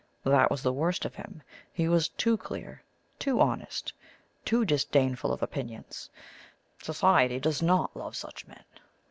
That was the worst of him he was too clear too honest too disdainful of opinions. Society does not love such men.